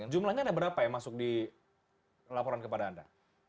jumlahnya ada berapa yang masuk di laporan kepada anda